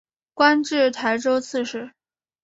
官至台州刺史。